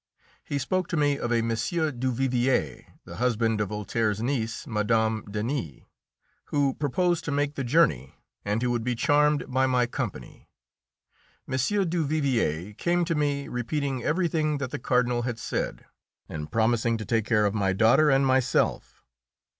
He spoke to me of a M. Duvivier, the husband of Voltaire's niece, Mme. Denis, who proposed to make the journey, and who would be charmed with my company. M. Duvivier came to me, repeating everything that the Cardinal had said, and promising to take care of my daughter and myself.